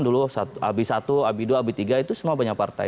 dulu abis satu abis dua abis tiga itu semua banyak partai